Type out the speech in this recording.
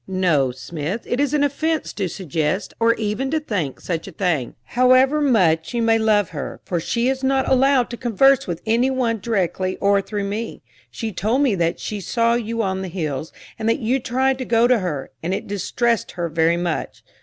"No, Smith; it is an offense to suggest, or even to think, such a thing, however much you may love her, for she is not allowed to converse with any one directly or through me. She told me that she saw you on the hills, and that you tried to go to her, and it distressed her very much.